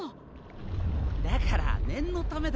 だから念のためだって。